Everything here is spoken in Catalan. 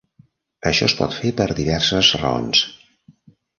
Això es pot fer per diverses raons.